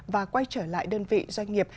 và quay trở lại đơn vị doanh nghiệp